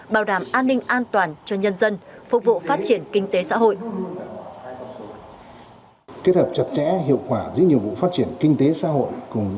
bảo đảm an ninh an toàn cho nhân dân phục vụ phát triển kinh tế xã hội